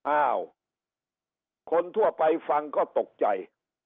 อ้าวคนทั่วไปฟังก็ตกใจ